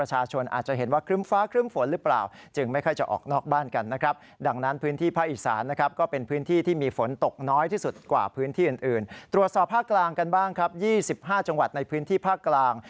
ตรวจสอบภาคกลางกันบ้างครับ๒๕จังหวัดในพื้นที่ภาคกลาง